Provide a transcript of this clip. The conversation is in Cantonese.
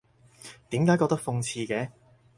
點解覺得諷刺嘅？